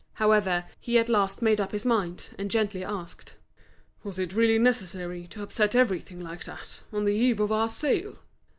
However, he at last made up his mind, and gently asked: "Was it really necessary to upset everything like that, on the eve of our sale?"